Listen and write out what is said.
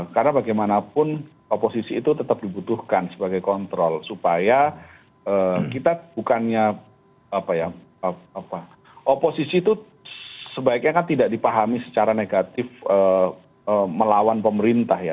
karena bagaimanapun oposisi itu tetap dibutuhkan sebagai kontrol supaya kita bukannya apa ya oposisi itu sebaiknya kan tidak dipahami secara negatif melawan pemerintah ya